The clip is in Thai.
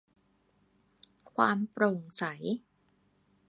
ความโปร่งใส